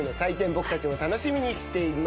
僕たちも楽しみにしています。